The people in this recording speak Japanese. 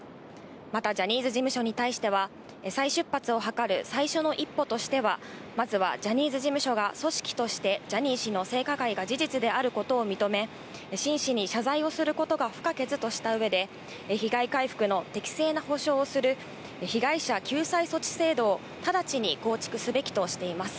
また、ジャニーズ事務所に対しては、再出発を図る最初の一歩としては、まずはジャニーズ事務所が組織としてジャニー氏の性加害が事実であることを認め、真摯に謝罪をすることが不可欠としたうえで、被害回復の適正な補償をする被害者救済措置制度を直ちに構築すべきとしています。